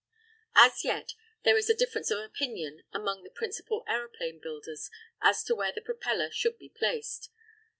As yet, there is a difference of opinion among the principal aeroplane builders as to where the propeller should be placed.